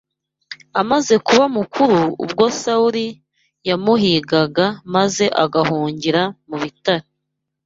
Amaze kuba mukuru, ubwo Sawuli yamuhigaga maze agahungira mu bitare